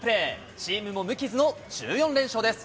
チームも無傷の１４連勝です。